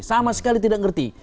sama sekali tidak ngerti